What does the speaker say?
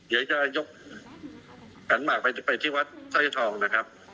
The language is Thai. เดี๋ยวจะยกกันหมากไปที่วัดทรยธรรมนะครับ